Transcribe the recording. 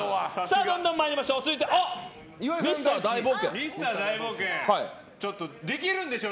どんどん参りましょう。